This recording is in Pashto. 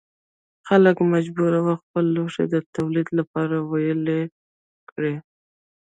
خلک مجبور وو خپل لوښي د تولید لپاره ویلې کړي.